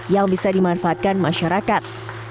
yang bisa dimanfaatkan masyarakat